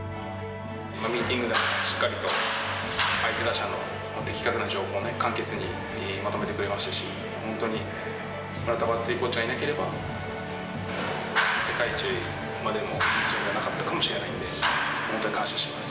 ミーティングでもしっかりと相手打者の的確な情報をね、簡潔にまとめてくれましたし、本当に村田バッテリーコーチがいなければ、世界一までの道のりはなかったかもしれないので、本当に感謝しています。